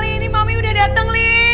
ini mami udah dateng